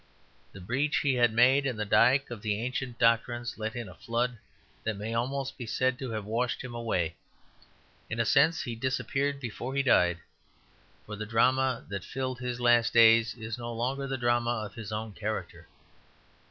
The breach he had made in the dyke of the ancient doctrines let in a flood that may almost be said to have washed him away. In a sense he disappeared before he died; for the drama that filled his last days is no longer the drama of his own character.